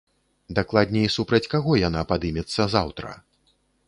Дакладней, супраць каго яна падымецца заўтра.